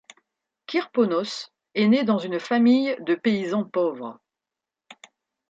Kirponos est né dans une famille de paysans pauvres.